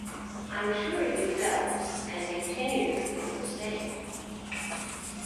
I'm sure you felt and continue to feel the same.